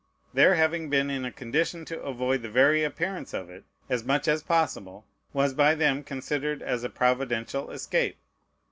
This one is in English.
Their having been in a condition to avoid the very appearance of it, as much as possible, was by them considered as a providential escape.